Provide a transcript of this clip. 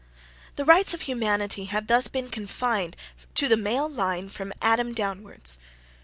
The RIGHTS of humanity have been thus confined to the male line from Adam downwards.